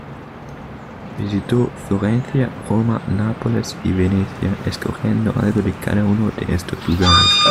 Visitó Florencia, Roma, Nápoles y Venecia escogiendo algo de cada uno de estos lugares.